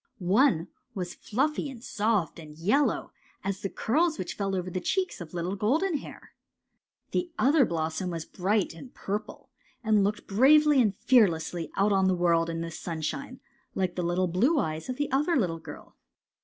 One was fluffy and soft and yellow as the curls which fell over the cheeks of little Golden Hair. The other blossom was bright and purple, and looked bravely and fearlessly out on the world and the sunshine, like the blue eyes of the other little girl.